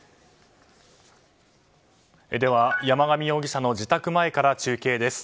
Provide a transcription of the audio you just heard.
では、山上容疑者の自宅前から中継です。